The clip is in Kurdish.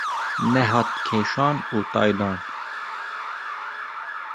Nehat kêşan û taydan.